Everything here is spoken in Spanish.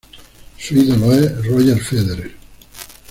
Su ídolo es Roger Federer.